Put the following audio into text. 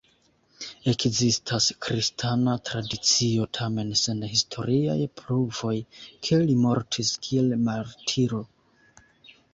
Ekzistas kristana tradicio, tamen sen historiaj pruvoj, ke li mortis kiel martiro.